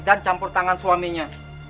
dan campur tangan suaminya